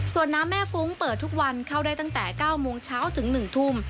ส่วนน้ำแม่ฟุ้งเปิดทุกวันเข้าได้ตั้งแต่๙โมงเช้าถึง๑ทุ่ม